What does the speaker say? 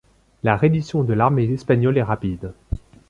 La reddition de l'armée espagnole est rapide.